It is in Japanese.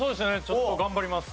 ちょっと頑張ります。